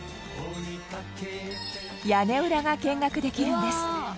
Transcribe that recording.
屋根裏が見学できるんです。